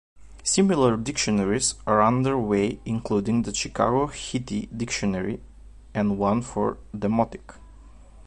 Similar dictionaries are under way, including the "Chicago Hittite Dictionary" and one for Demotic.